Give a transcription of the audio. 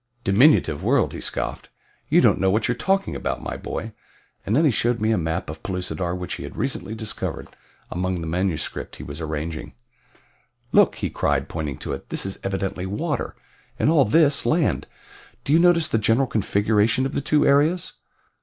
"Diminutive world!" he scoffed. "You don't know what you are talking about, my boy," and then he showed me a map of Pellucidar which he had recently discovered among the manuscript he was arranging. "Look," he cried, pointing to it, "this is evidently water, and all this land. Do you notice the general configuration of the two areas?